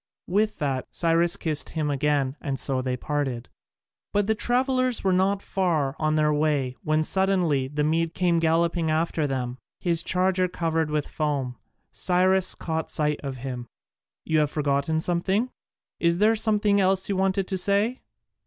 With that Cyrus kissed him again and so they parted. But the travellers were not far on their way when suddenly the Mede came galloping after them, his charger covered with foam. Cyrus caught sight of him: "You have forgotten something? There is something else you wanted to say?"